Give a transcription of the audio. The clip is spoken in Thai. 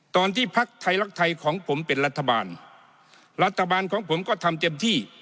ภักดิ์ไทยรักไทยของผมเป็นรัฐบาลรัฐบาลของผมก็ทำเต็มที่